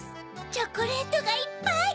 チョコレートがいっぱい！